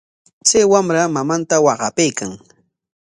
Chay wamra mamanta waqapaykan.